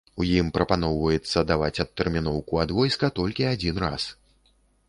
У ім прапаноўваецца даваць адтэрміноўку ад войска толькі адзін раз.